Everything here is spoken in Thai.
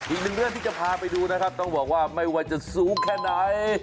อีกหนึ่งเรื่องที่จะพาไปดูนะครับต้องบอกว่าไม่ว่าจะสูงแค่ไหน